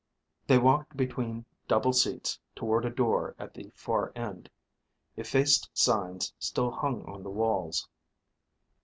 They walked between double seats toward a door at the far end. Effaced signs still hung on the walls.